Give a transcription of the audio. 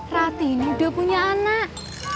rati ini udah punya anak